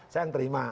saya yang terima